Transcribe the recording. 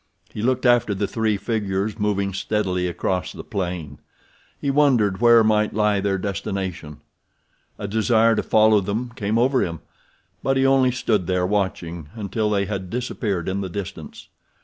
He looked after the three figures moving steadily across the plain. He wondered where might lie their destination. A desire to follow them came over him, but he only stood there watching until they had disappeared in the distance.